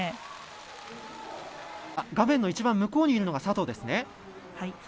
画面の一番向こうにいるのが佐藤です。